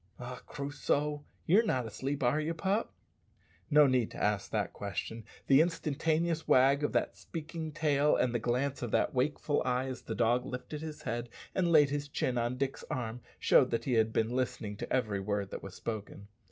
"Ah, Crusoe! you're not asleep, are you, pup?" No need to ask that question. The instantaneous wag of that speaking tail and the glance of that wakeful eye, as the dog lifted his head and laid his chin on Dick's arm, showed that he had been listening to every word that was spoken.